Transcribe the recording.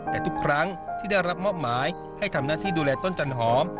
แต่ทุกครั้งที่ได้รับมอบหมายให้ทำหน้าที่ดูแลต้นจันหอม